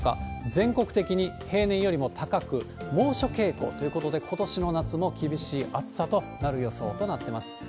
全国的に平年よりも高く、猛暑傾向ということで、ことしの夏も厳しい暑さとなる予想となってます。